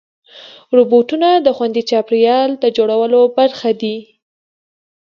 روبوټونه د خوندي چاپېریال د جوړولو برخه دي.